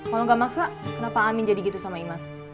kalau gak maksa kenapa amin jadi gitu sama imas